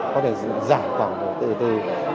có thể giảm khoảng từ